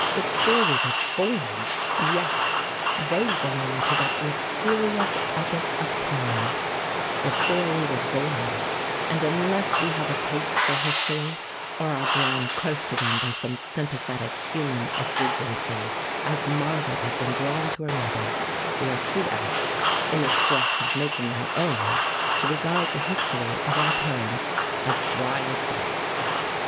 Before we were born! Yes! They belong to that mysterious epoch of time "before we were born"; and unless we have a taste for history, or are drawn close to them by some sympathetic human exigency, as Margaret had been drawn to her mother, we are too apt, in the stress of making our own, to regard the history of our parents as dry as dust.